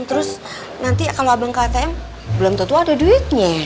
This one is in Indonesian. terus nanti kalau abang ktm belum tentu ada duitnya